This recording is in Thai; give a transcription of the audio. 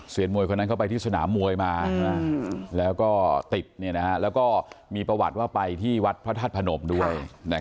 มวยคนนั้นเข้าไปที่สนามมวยมาแล้วก็ติดแล้วก็มีประวัติว่าไปที่วัดพระธาตุพนมด้วย